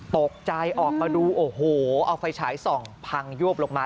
ตกใจออกมาดูโอ้โหเอาไฟฉายส่องพังยวบลงมา